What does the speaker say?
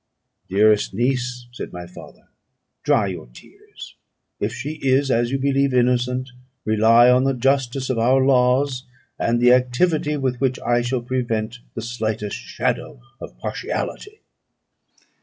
"Dearest niece," said my father, "dry your tears. If she is, as you believe, innocent, rely on the justice of our laws, and the activity with which I shall prevent the slightest shadow of partiality."